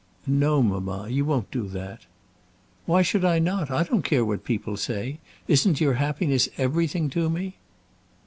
"No, mamma, you won't do that." "Why should I not? I don't care what people say. Isn't your happiness everything to me?"